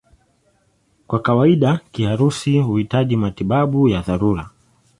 Kwa kawaida kiharusi huhitaji matibabu ya dharura.